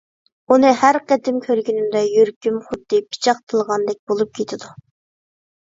ئۇنى ھەر قېتىم كۆرگىنىمدە يۈرىكىم خۇددى پىچاق تىلغاندەك بولۇپ كېتىدۇ.